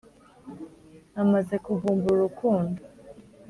namaze kuvumbura urukundo